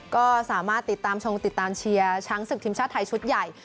ก็สามารถติดตามชงติดตามเชียร์ช้างศึกทีมชาติไทยชุดใหญ่